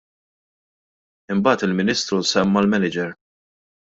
Imbagħad il-Ministru semma l-manager.